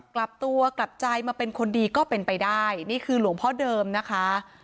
กลับตัวกลับใจมาเป็นคนดีก็เป็นไปได้นี่คือหลวงพ่อเดิมนะคะ